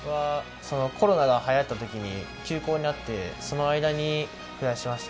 コロナが、はやったときに休校になってその間に増やしました。